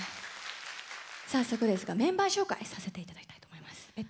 早速ですがメンバー紹介させていただきます。